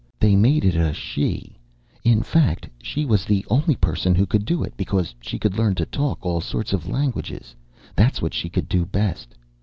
They made it a she. In fact, she was the only person who could do it because she could learn to talk all sorts of languages that's what she could do best.